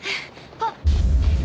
あっ！